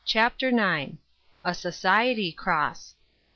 CHAPTER IX. A SOCIETy CROSS.